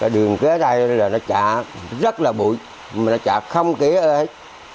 đường ghế đây là nó trả rất là bụi mà nó trả không kia ở đây